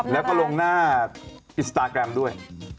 แล้วก็ลงหน้าอินสตาแกรมด้วย